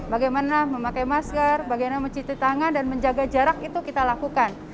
bagaimana memakai masker bagaimana mencuci tangan dan menjaga jarak itu kita lakukan